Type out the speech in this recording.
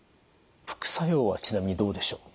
副作用はちなみにどうでしょう？